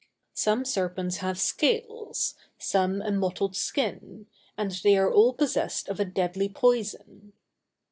Some serpents have scales, some a mottled skin, and they are all possessed of a deadly poison.